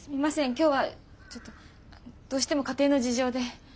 今日はちょっとどうしても家庭の事情で。